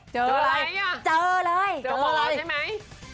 เจออะไรเจอหมอใช่ไหม